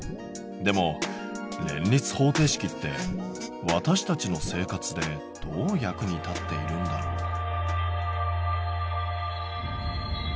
でも連立方程式って私たちの生活でどう役に立っているんだろう？